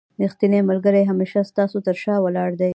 رښتينی ملګری هميشه ستا تر شا ولاړ دی